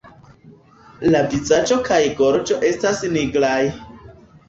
La vizaĝo kaj gorĝo estas nigraj.